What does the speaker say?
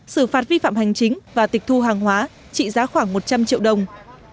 xử phạt vi phạm hành chính và tịch thu hàng hóa trị giá khoảng một trăm linh triệu đồng